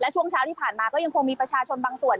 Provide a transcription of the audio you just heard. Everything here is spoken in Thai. ช่วงเช้าที่ผ่านมาก็ยังคงมีประชาชนบางส่วน